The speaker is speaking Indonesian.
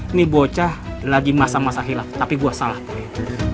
ini bocah lagi masa masa hilang tapi gua salah poe